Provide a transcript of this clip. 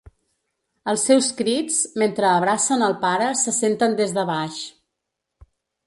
Els seus crits mentre abracen el pare se senten des de baix.